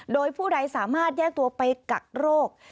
โดยผู้ใดสามารถแยกตัวไปกักโรค